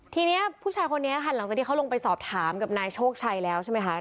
ทีนี้ผู้ชายคนนี้ค่ะหลังจากที่เขาลงไปสอบถามกับนายโชคชัยแล้วใช่ไหมคะ